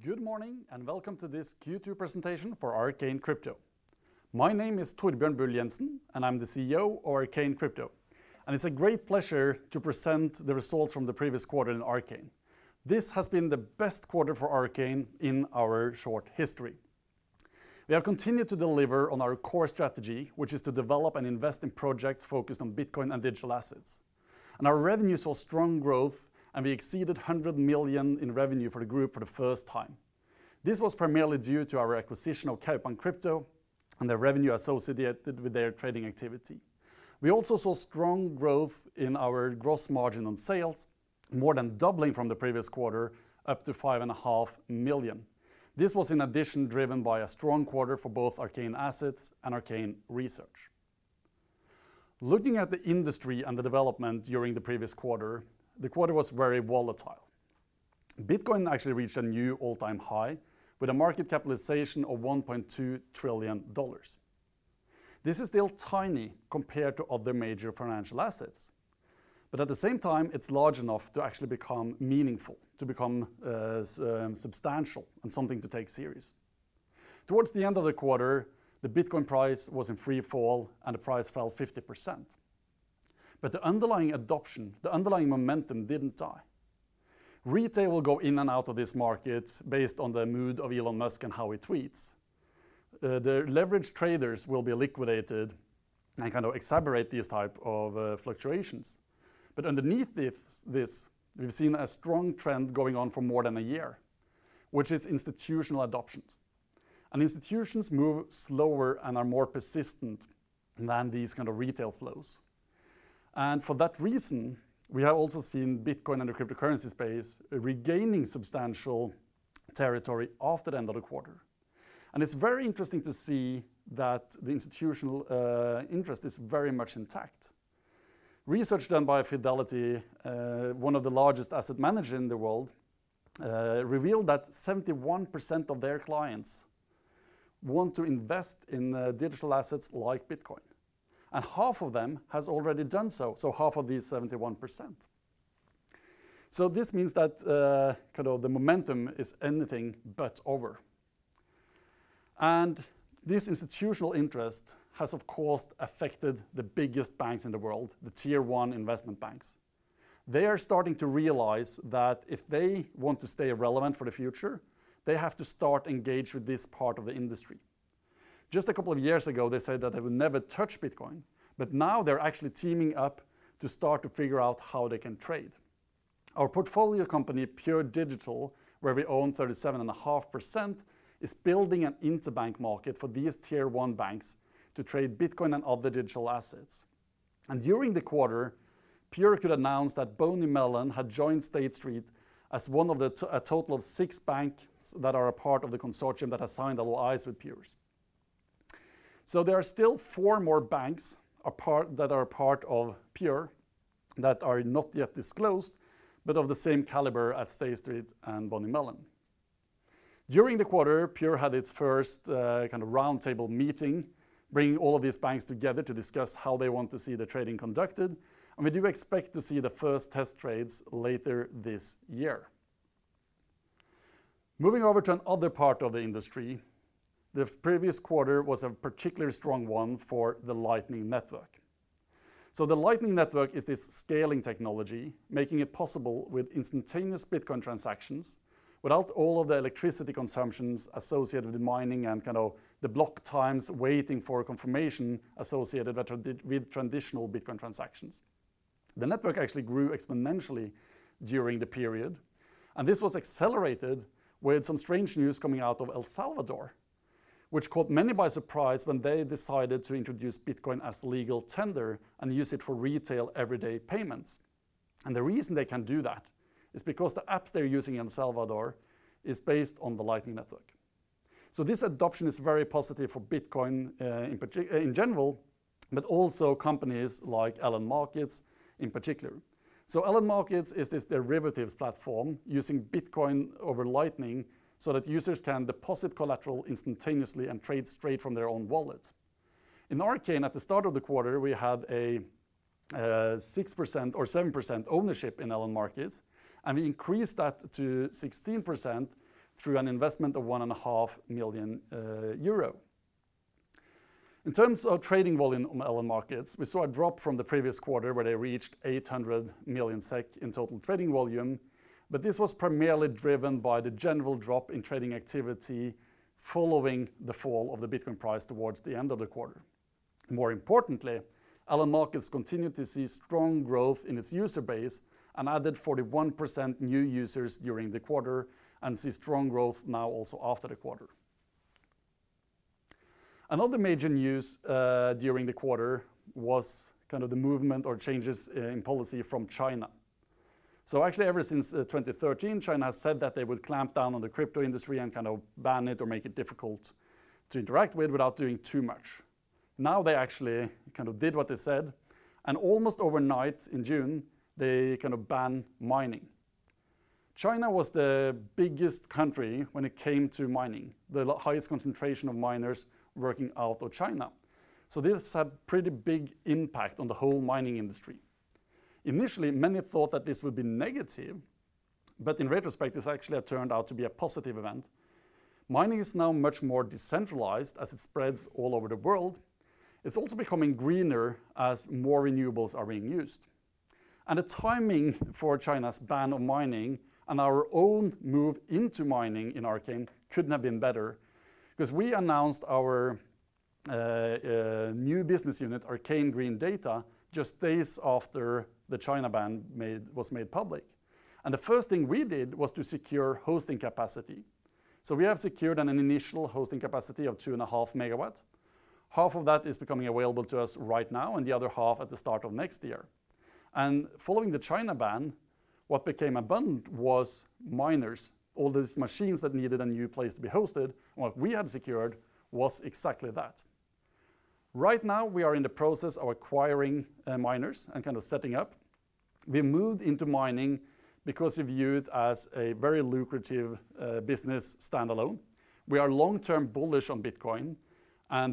Good morning, welcome to this Q2 presentation for Arcane Crypto. My name is Torbjørn Bull Jenssen, I'm the CEO of Arcane Crypto. It's a great pleasure to present the results from the previous quarter in Arcane. This has been the best quarter for Arcane in our short history. We have continued to deliver on our core strategy, which is to develop and invest in projects focused on Bitcoin and digital assets. Our revenue saw strong growth, and we exceeded 100 million in revenue for the group for the first time. This was primarily due to our acquisition of Kaupang Crypto and the revenue associated with their trading activity. We also saw strong growth in our gross margin on sales, more than doubling from the previous quarter up to 5.5 million. This was in addition driven by a strong quarter for both Arcane Assets and Arcane Research. Looking at the industry and the development during the previous quarter, the quarter was very volatile. Bitcoin actually reached a new all-time high with a market capitalization of $1.2 trillion. This is still tiny compared to other major financial assets. At the same time, it's large enough to actually become meaningful, to become substantial, and something to take serious. Towards the end of the quarter, the Bitcoin price was in free fall, and the price fell 50%. The underlying adoption, the underlying momentum didn't die. Retail will go in and out of this market based on the mood of Elon Musk and how he tweets. The leverage traders will be liquidated and kind of exacerbate these type of fluctuations. Underneath this, we've seen a strong trend going on for more than a year, which is institutional adoptions. Institutions move slower and are more persistent than these kind of retail flows. For that reason, we have also seen Bitcoin and the cryptocurrency space regaining substantial territory after the end of the quarter. It's very interesting to see that the institutional interest is very much intact. Research done by Fidelity, one of the largest asset managers in the world, revealed that 71% of their clients want to invest in digital assets like Bitcoin. Half of them has already done so. Half of these 71%. This means that the momentum is anything but over. This institutional interest has, of course, affected the biggest banks in the world, the tier one investment banks. They are starting to realize that if they want to stay relevant for the future, they have to start engage with this part of the industry. Just a couple of years ago, they said that they would never touch Bitcoin, now they're actually teaming up to start to figure out how they can trade. Our portfolio company, Pure Digital, where we own 37.5%, is building an interbank market for these tier one banks to trade Bitcoin and other digital assets. During the quarter, Pure could announce that BNY Mellon had joined State Street as one of a total of six banks that are a part of the consortium that has signed the alliance with Pure. There are still four more banks that are a part of Pure that are not yet disclosed, but of the same caliber as State Street and BNY Mellon. During the quarter, Pure had its first kind of roundtable meeting, bringing all of these banks together to discuss how they want to see the trading conducted, and we do expect to see the first test trades later this year. Moving over to another part of the industry, the previous quarter was a particularly strong one for the Lightning Network. The Lightning Network is this scaling technology, making it possible with instantaneous Bitcoin transactions without all of the electricity consumptions associated with mining and the block times waiting for a confirmation associated with transitional Bitcoin transactions. The network actually grew exponentially during the period, this was accelerated with some strange news coming out of El Salvador, which caught many by surprise when they decided to introduce Bitcoin as legal tender and use it for retail everyday payments. The reason they can do that is because the apps they're using in El Salvador is based on the Lightning Network. This adoption is very positive for Bitcoin in general, but also companies like LN Markets in particular. LN Markets is this derivatives platform using Bitcoin over Lightning so that users can deposit collateral instantaneously and trade straight from their own wallet. In Arcane, at the start of the quarter, we had a 6% or 7% ownership in LN Markets, and we increased that to 16% through an investment of 1.5 million euro. In terms of trading volume on LN Markets, we saw a drop from the previous quarter where they reached 800 million SEK in total trading volume, but this was primarily driven by the general drop in trading activity following the fall of the Bitcoin price towards the end of the quarter. More importantly, LN Markets continued to see strong growth in its user base and added 41% new users during the quarter and see strong growth now also after the quarter. Another major news during the quarter was the movement or changes in policy from China. Ever since 2013, China has said that they would clamp down on the crypto industry and ban it or make it difficult to interact with without doing too much. Now they actually did what they said, and almost overnight in June, they banned mining. China was the biggest country when it came to mining, the highest concentration of miners working out of China. This had pretty big impact on the whole mining industry. Initially, many thought that this would be negative. In retrospect, this actually turned out to be a positive event. Mining is now much more decentralized as it spreads all over the world. It's also becoming greener as more renewables are being used. The timing for China's ban on mining and our own move into mining in Arcane couldn't have been better, because we announced our new business unit, Arcane Green Data, just days after the China ban was made public, and the first thing we did was to secure hosting capacity. We have secured an initial hosting capacity of 2.5 MW. Half of that is becoming available to us right now, and the other half at the start of next year. Following the China ban, what became abundant was miners, all these machines that needed a new place to be hosted, and what we had secured was exactly that. Right now, we are in the process of acquiring miners and kind of setting up. We moved into mining because we view it as a very lucrative business standalone. We are long-term bullish on Bitcoin.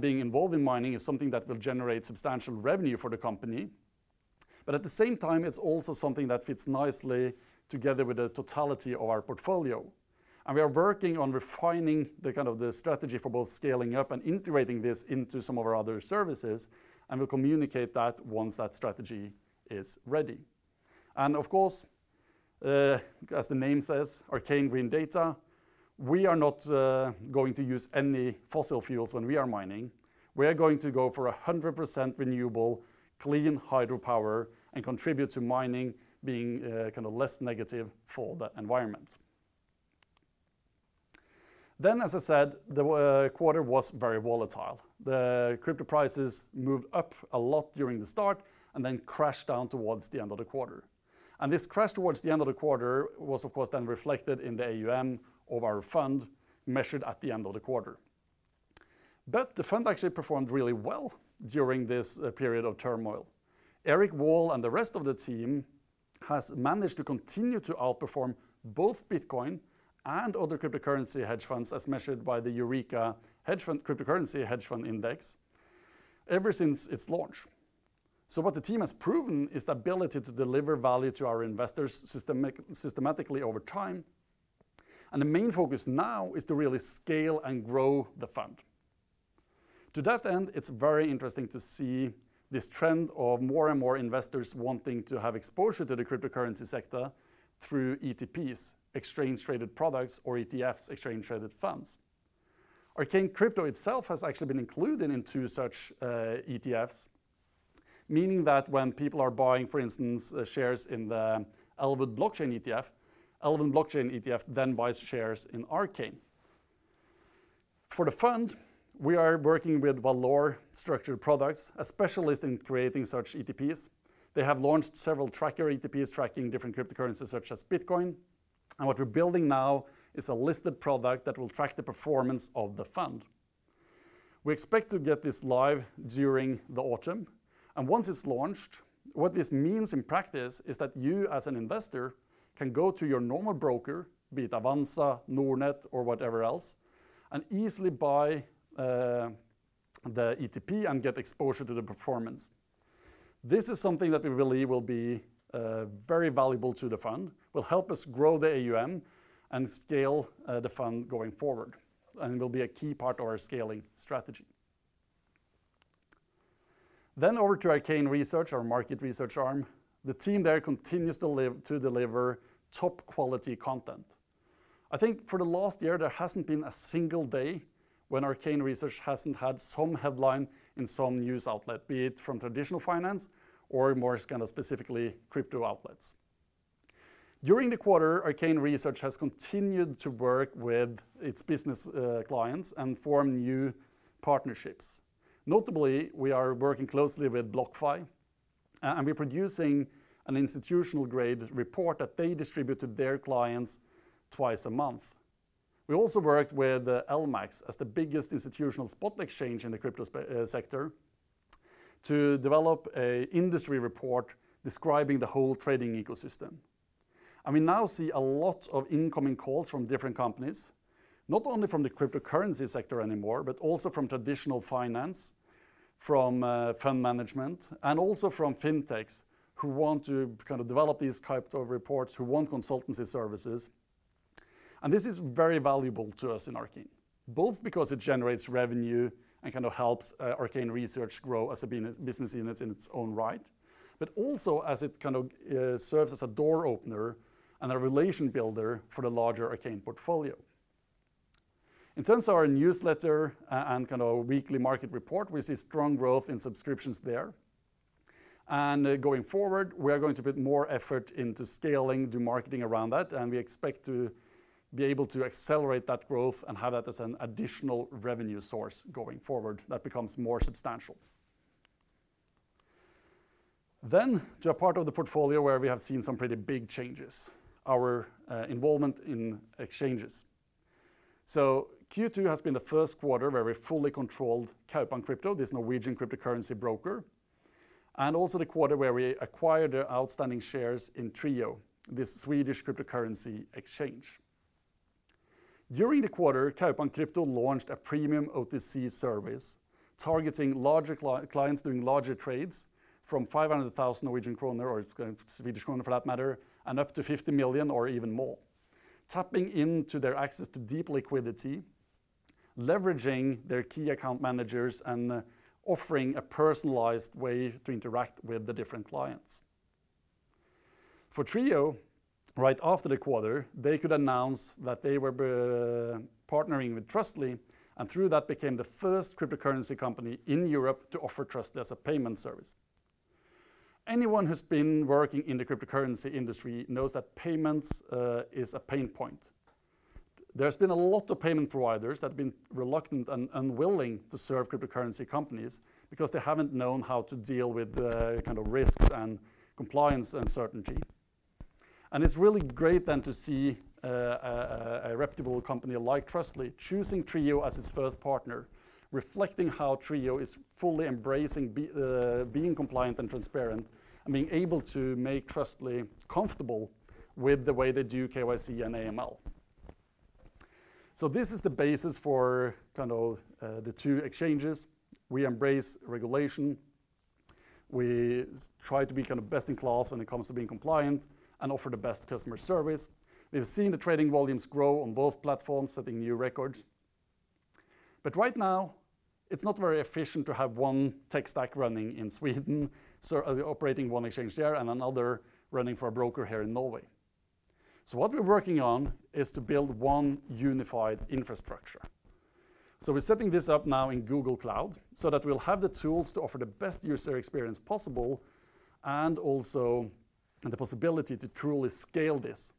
Being involved in mining is something that will generate substantial revenue for the company. At the same time, it's also something that fits nicely together with the totality of our portfolio. We are working on refining the strategy for both scaling up and integrating this into some of our other services, and we'll communicate that once that strategy is ready. Of course, as the name says, Arcane Green Data, we are not going to use any fossil fuels when we are mining. We are going to go for 100% renewable clean hydropower and contribute to mining being less negative for the environment. As I said, the quarter was very volatile. The crypto prices moved up a lot during the start and then crashed down towards the end of the quarter. This crash towards the end of the quarter was, of course, then reflected in the AUM of our fund measured at the end of the quarter. The fund actually performed really well during this period of turmoil. Eric Wall and the rest of the team has managed to continue to outperform both Bitcoin and other cryptocurrency hedge funds as measured by the Eureka Cryptocurrency Hedge Fund Index ever since its launch. What the team has proven is the ability to deliver value to our investors systematically over time. The main focus now is to really scale and grow the fund. To that end, it's very interesting to see this trend of more and more investors wanting to have exposure to the cryptocurrency sector through ETPs, Exchange Traded Products, or ETFs, Exchange Traded Funds. Arcane Crypto itself has actually been included into such ETFs, meaning that when people are buying, for instance, shares in the Invesco Elwood Global Blockchain ETF, Invesco Elwood Global Blockchain ETF then buys shares in Arcane. For the fund, we are working with Valour Structured Products, a specialist in creating such ETPs. They have launched several tracker ETPs tracking different cryptocurrencies such as Bitcoin. What we're building now is a listed product that will track the performance of the fund. We expect to get this live during the autumn, and once it is launched, what this means in practice is that you, as an investor, can go to your normal broker, be it Avanza, Nordnet, or whatever else, and easily buy the ETP and get exposure to the performance. This is something that we believe will be very valuable to the fund, will help us grow the AUM, and scale the fund going forward, and will be a key part of our scaling strategy. Over to Arcane Research, our market research arm. The team there continues to deliver top-quality content. I think for the last year, there hasn't been a single day when Arcane Research hasn't had some headline in some news outlet, be it from traditional finance or more specifically crypto outlets. During the quarter, Arcane Research has continued to work with its business clients and form new partnerships. Notably, we are working closely with BlockFi, and we're producing an institutional-grade report that they distribute to their clients twice a month. We also worked with LMAX as the biggest institutional spot exchange in the crypto sector to develop an industry report describing the whole trading ecosystem. We now see a lot of incoming calls from different companies, not only from the cryptocurrency sector anymore, but also from traditional finance, from fund management, and also from fintechs who want to develop these crypto reports, who want consultancy services. This is very valuable to us in Arcane, both because it generates revenue and helps Arcane Research grow as a business unit in its own right, but also as it serves as a door opener and a relation builder for the larger Arcane portfolio. In terms of our newsletter and weekly market report, we see strong growth in subscriptions there. Going forward, we are going to put more effort into scaling the marketing around that, and we expect to be able to accelerate that growth and have that as an additional revenue source going forward that becomes more substantial. To a part of the portfolio where we have seen some pretty big changes, our involvement in exchanges. Q2 has been the first quarter where we fully controlled Kaupang Crypto, this Norwegian cryptocurrency broker, and also the quarter where we acquired the outstanding shares in Trijo, the Swedish cryptocurrency exchange. During the quarter, Kaupang Crypto launched a premium OTC service targeting larger clients doing larger trades from 500,000 Norwegian kroner, or SEK for that matter, and up to 50 million or even more, tapping into their access to deep liquidity, leveraging their key account managers, and offering a personalized way to interact with the different clients. For Trijo, right after the quarter, they could announce that they were partnering with Trustly, and through that became the first cryptocurrency company in Europe to offer Trustly as a payment service. Anyone who's been working in the cryptocurrency industry knows that payments is a pain point. There's been a lot of payment providers that have been reluctant and unwilling to serve cryptocurrency companies because they haven't known how to deal with the risks and compliance uncertainty. It's really great then to see a reputable company like Trustly choosing Trijo as its first partner, reflecting how Trijo is fully embracing being compliant and transparent and being able to make Trustly comfortable with the way they do KYC and AML. This is the basis for the two exchanges. We embrace regulation. We try to be best in class when it comes to being compliant and offer the best customer service. We've seen the trading volumes grow on both platforms, setting new records. Right now, it's not very efficient to have one tech stack running in Sweden, operating one exchange there and another running for a broker here in Norway. What we're working on is to build one unified infrastructure. We're setting this up now in Google Cloud so that we'll have the tools to offer the best user experience possible and also the possibility to truly scale this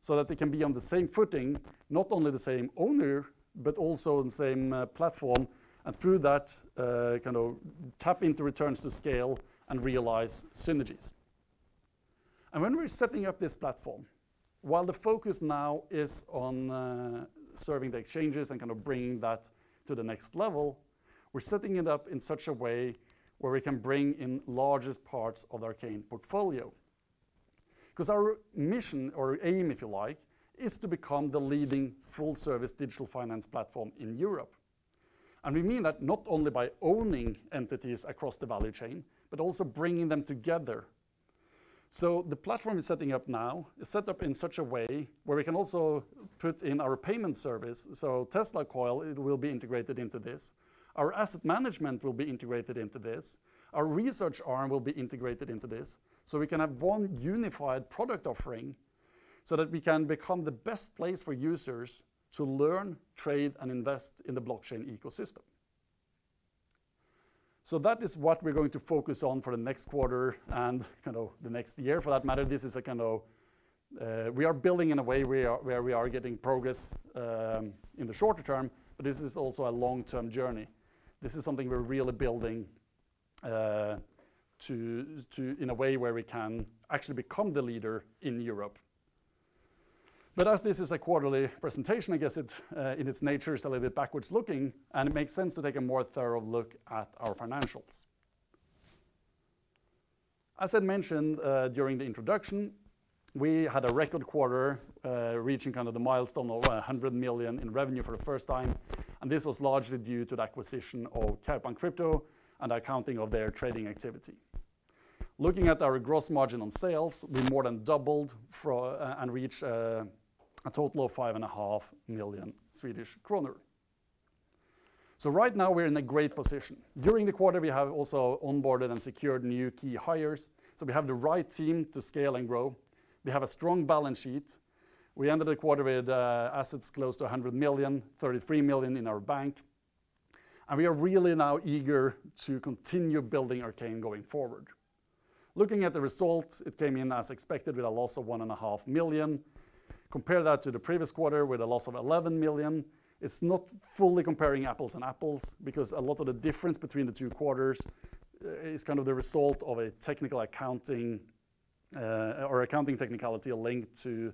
so that they can be on the same footing, not only the same owner, but also on the same platform. Through that, tap into returns to scale and realize synergies. When we're setting up this platform, while the focus now is on serving the exchanges and bringing that to the next level, we're setting it up in such a way where we can bring in largest parts of Arcane portfolio. Because our mission or aim, if you like, is to become the leading full-service digital finance platform in Europe. We mean that not only by owning entities across the value chain, but also bringing them together. The platform we're setting up now is set up in such a way where we can also put in our payment service. Tesla Coil, it will be integrated into this. Our asset management will be integrated into this. Our research arm will be integrated into this. We can have one unified product offering so that we can become the best place for users to learn, trade, and invest in the blockchain ecosystem. That is what we're going to focus on for the next quarter and the next year for that matter. We are building in a way where we are getting progress in the shorter term, but this is also a long-term journey. This is something we're really building in a way where we can actually become the leader in Europe. As this is a quarterly presentation, I guess in its nature it's a little bit backwards looking, and it makes sense to take a more thorough look at our financials. As I mentioned during the introduction, we had a record quarter reaching the milestone of 100 million in revenue for the first time, and this was largely due to the acquisition of Kaupang Crypto and accounting of their trading activity. Looking at our gross margin on sales, we more than doubled and reached a total of 5.5 million Swedish kronor. Right now we're in a great position. During the quarter, we have also onboarded and secured new key hires. We have the right team to scale and grow. We have a strong balance sheet. We ended the quarter with assets close to 100 million, 33 million in our bank. We are really now eager to continue building Arcane going forward. Looking at the results, it came in as expected with a loss of 1.5 million. Compare that to the previous quarter with a loss of 11 million. It's not fully comparing apples and apples because a lot of the difference between the two quarters is the result of a technical accounting, or accounting technicality linked to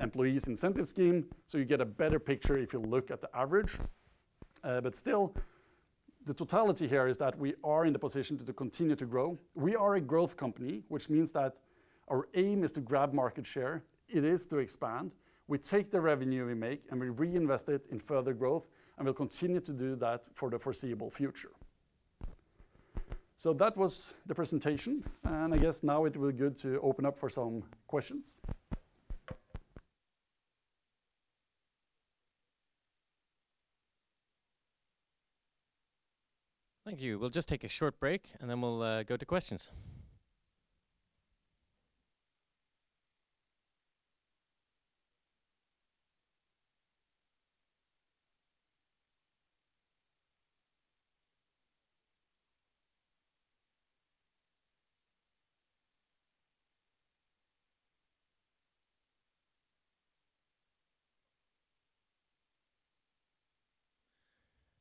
employees' incentive scheme. You get a better picture if you look at the average. Still, the totality here is that we are in the position to continue to grow. We are a growth company, which means that our aim is to grab market share. It is to expand. We take the revenue we make and we reinvest it in further growth, and we'll continue to do that for the foreseeable future. That was the presentation, and I guess now it will be good to open up for some questions. Thank you. We'll just take a short break. Then we'll go to questions.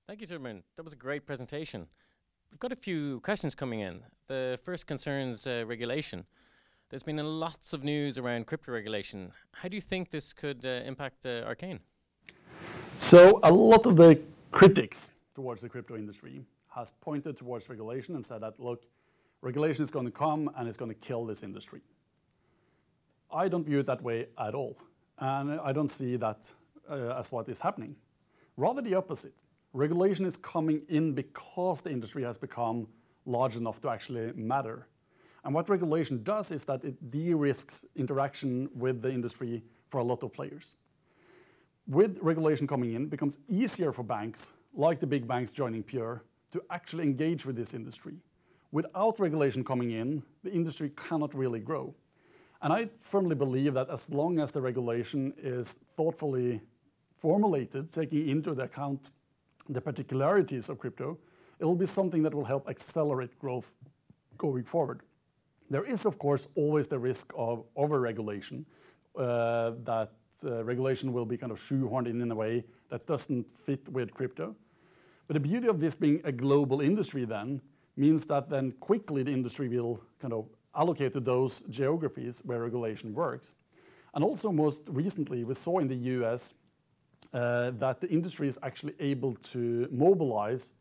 Thank you, Torbjørn. That was a great presentation. We've got a few questions coming in. The first concerns regulation. There's been lots of news around crypto regulation. How do you think this could impact Arcane? A lot of the critics towards the crypto industry has pointed towards regulation and said that, "Look, regulation is going to come and it's going to kill this industry." I don't view it that way at all, and I don't see that as what is happening. Rather the opposite. Regulation is coming in because the industry has become large enough to actually matter. What regulation does is that it de-risks interaction with the industry for a lot of players. With regulation coming in, it becomes easier for banks, like the big banks joining Pure, to actually engage with this industry. Without regulation coming in, the industry cannot really grow. I firmly believe that as long as the regulation is thoughtfully formulated, taking into account the particularities of crypto, it will be something that will help accelerate growth going forward. There is, of course, always the risk of over-regulation, that regulation will be kind of shoehorned in in a way that doesn't fit with crypto. The beauty of this being a global industry then means that then quickly the industry will allocate to those geographies where regulation works. Also most recently, we saw in the U.S. that the industry is actually able to mobilize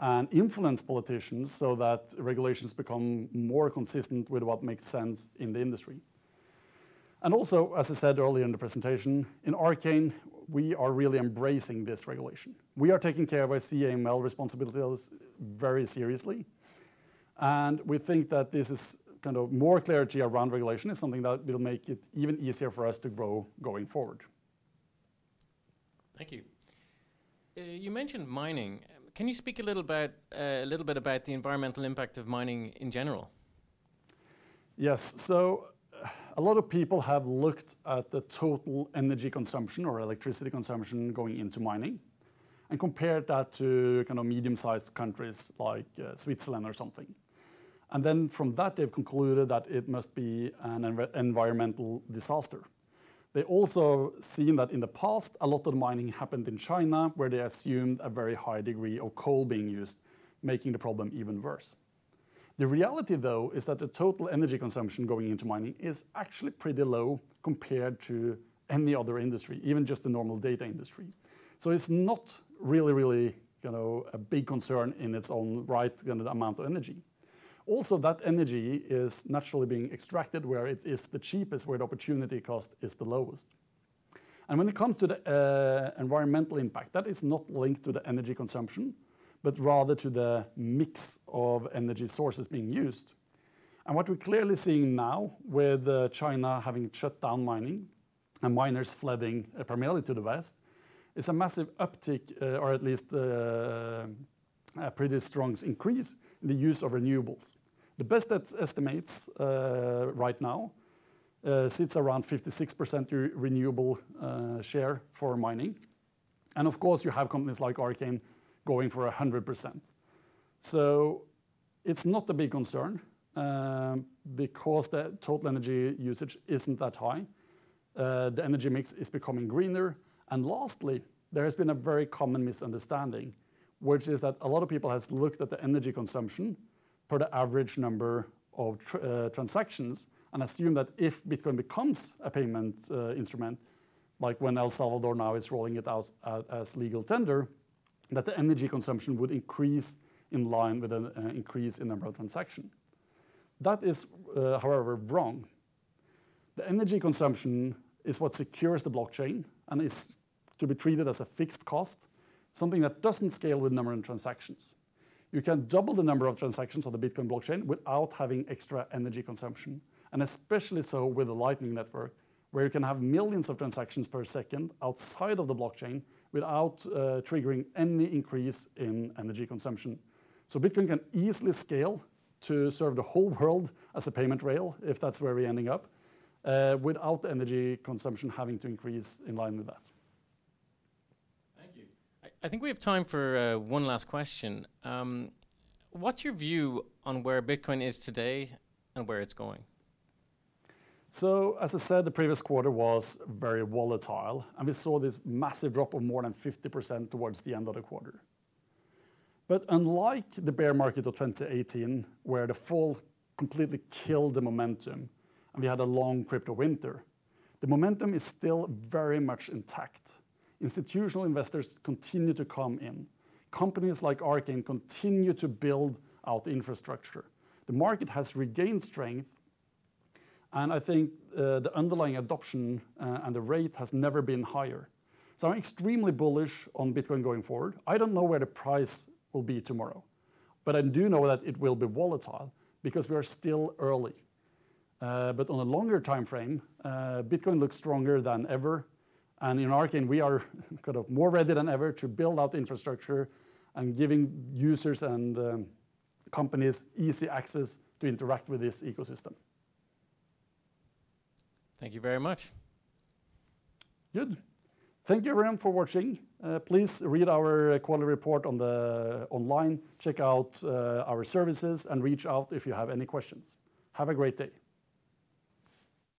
and influence politicians so that regulations become more consistent with what makes sense in the industry. Also, as I said earlier in the presentation, in Arcane, we are really embracing this regulation. We are taking care of our AML responsibilities very seriously, and we think that more clarity around regulation is something that will make it even easier for us to grow going forward. Thank you. You mentioned mining. Can you speak a little bit about the environmental impact of mining in general? Yes. A lot of people have looked at the total energy consumption or electricity consumption going into mining and compared that to medium-sized countries like Switzerland or something. From that, they've concluded that it must be an environmental disaster. They also seen that in the past, a lot of mining happened in China, where they assumed a very high degree of coal being used, making the problem even worse. The reality, though, is that the total energy consumption going into mining is actually pretty low compared to any other industry, even just the normal data industry. It's not really a big concern in its own right, the amount of energy. That energy is naturally being extracted where it is the cheapest, where the opportunity cost is the lowest. When it comes to the environmental impact, that is not linked to the energy consumption, but rather to the mix of energy sources being used. What we're clearly seeing now with China having shut down mining and miners flooding primarily to the West, is a massive uptick, or at least a pretty strong increase in the use of renewables. The best estimates right now sits around 56% renewable share for mining. Of course, you have companies like Arcane going for 100%. It's not a big concern because the total energy usage isn't that high. The energy mix is becoming greener. Lastly, there has been a very common misunderstanding, which is that a lot of people have looked at the energy consumption for the average number of transactions and assume that if Bitcoin becomes a payment instrument, like when El Salvador now is rolling it out as legal tender, that the energy consumption would increase in line with an increase in number of transactions. That is, however, wrong. The energy consumption is what secures the blockchain and is to be treated as a fixed cost, something that doesn't scale with number of transactions. You can double the number of transactions on the Bitcoin blockchain without having extra energy consumption, especially so with the Lightning Network, where you can have millions of transactions per second outside of the blockchain without triggering any increase in energy consumption. Bitcoin can easily scale to serve the whole world as a payment rail, if that's where we're ending up, without energy consumption having to increase in line with that. Thank you. I think we have time for one last question. What's your view on where Bitcoin is today and where it's going? As I said, the previous quarter was very volatile, and we saw this massive drop of more than 50% towards the end of the quarter. Unlike the bear market of 2018, where the fall completely killed the momentum and we had a long crypto winter, the momentum is still very much intact. Institutional investors continue to come in. Companies like Arcane continue to build out infrastructure. The market has regained strength, and I think the underlying adoption and the rate has never been higher. I'm extremely bullish on Bitcoin going forward. I don't know where the price will be tomorrow, but I do know that it will be volatile because we are still early. On a longer timeframe, Bitcoin looks stronger than ever. In Arcane, we are more ready than ever to build out infrastructure and giving users and companies easy access to interact with this ecosystem. Thank you very much. Good. Thank you everyone for watching. Please read our quality report online. Check out our services and reach out if you have any questions. Have a great day.